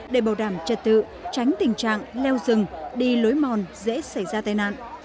để bảo đảm trật tự tránh tình trạng leo rừng đi lối mòn dễ xảy ra tai nạn